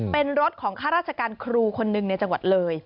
เป็นรถของข้าราชการครูคนหนึ่งในจังหวัดเลย